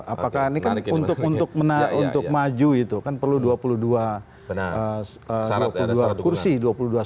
apakah ini kan untuk maju itu kan perlu dua puluh dua kursi dua puluh dua suara